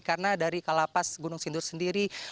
bagaimana dari lapas gunung sindur sendiri